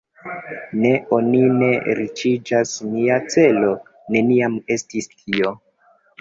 Ne, oni ne riĉiĝas … Mia celo neniam estis tio.